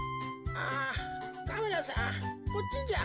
あカメラさんこっちじゃ。